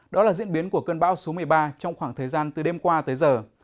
đó là diễn biến của cơn bão số một mươi ba trong khoảng thời gian từ đêm qua tới giờ